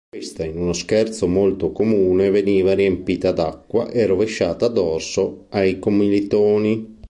Questa in uno scherzo molto comune veniva riempita d'acqua e rovesciata addosso ai commilitoni.